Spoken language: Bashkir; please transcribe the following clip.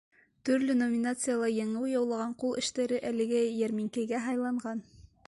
Төрлө номинацияла еңеү яулаған ҡул эштәре әлеге йәрминкәгә һайланған.